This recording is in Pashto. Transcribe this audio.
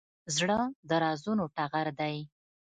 زړه د رازونو ټغر دی.